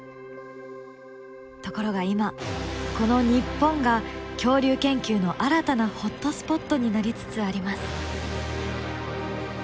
ところが今この日本が恐竜研究の新たなホットスポットになりつつあります。